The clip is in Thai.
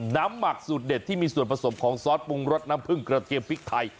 หมักสูตรเด็ดที่มีส่วนผสมของซอสปรุงรสน้ำผึ้งกระเทียมพริกไทย